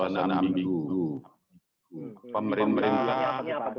sebenarnya keadaan sekarang ini berada dalam suasana minggu